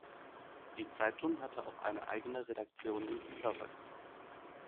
Die Zeitung hatte auch eine eigene Redaktion in Bukarest.